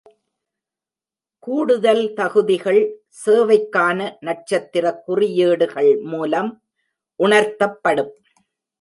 கூடுதல் தகுதிகள் சேவைக்கான நட்சத்திர குறியீடுகள் மூலம் உணர்த்தப்படும்.